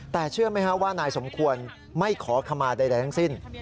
แต่เชื่อไหมครับว่านายสมควรไม่ขอขมาใดทั้งสิ้น